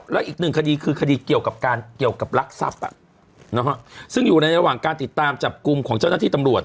และอีกหนึ่งคดีคือคดีเกี่ยวกับรักษัพซึ่งอยู่ในระหว่างการติดตามจับกุมของเจ้าหน้าที่ตำรวจ